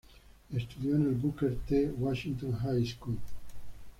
Estudió en el Booker T. Washington High School.